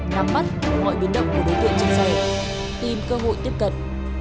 nắm mắt mọi biến động của đối tiện trên xe tìm cơ hội tiếp cận